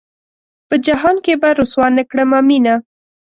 پۀ جهان کښې به رسوا نۀ کړمه مينه